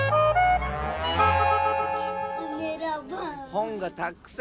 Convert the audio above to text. ほんがたくさん！